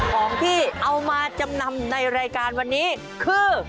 ของที่เอามาจำนำในรายการวันนี้คือ